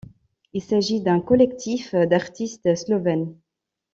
Il s'agit d'un collectif d'artistes slovènes.